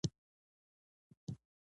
د خلکو ګډون د تصمیم نیولو کیفیت لوړوي